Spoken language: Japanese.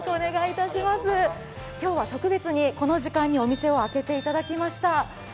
今日は特別にこの時間にお店を開けていただきました。